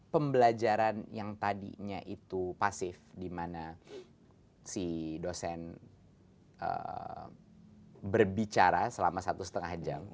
pembelajaran yang tadinya itu pasif di mana si dosen berbicara selama satu setengah jam